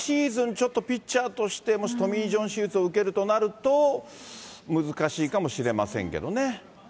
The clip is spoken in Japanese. ちょっとピッチャーとして、もしトミー・ジョン手術を受けるとなると、難しいかもしれませんけどね。